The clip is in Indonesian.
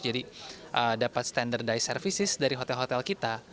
jadi dapat standardized services dari hotel hotel kita